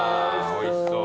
おいしそう。